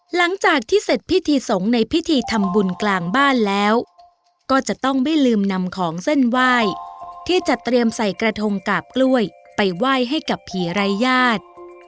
หลังจากที่เสร็จพิธีสงฆ์ในพิธีทำบุญกลางบ้านแล้วก็จะต้องไม่ลืมนำของเส้นไหว้ที่จัดเตรียมใส่กระทงกาบกล้วยไปไหว้ให้กับผีไร้ญาติ